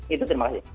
itu terima kasih